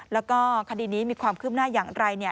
แล้วก็คดีนี้มีความคืบหน้าอย่างไร